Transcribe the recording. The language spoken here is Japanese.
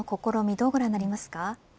どうご覧になりますか。